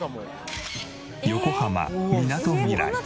横浜みなとみらい。